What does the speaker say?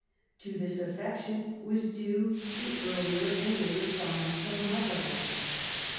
To this affec tion were due the earlier and later triumphs of Mazarin.